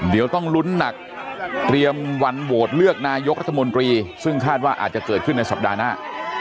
เดี๋ยวต้องลุ้นหนักเตรียมวันโหวตเลือกนายกรัฐมนตรีซึ่งคาดว่าอาจจะเกิดขึ้นในสัปดาห์หน้า